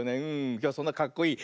きょうはそんなかっこいい